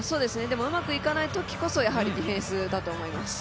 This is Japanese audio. うまくいかないときこそ、やはりディフェンスだと思います。